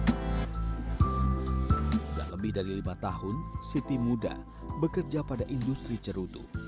sudah lebih dari lima tahun siti muda bekerja pada industri cerutu